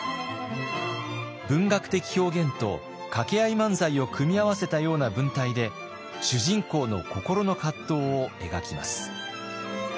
文学的表現と掛け合い漫才を組み合わせたような文体で主人公の心の葛藤を描きます。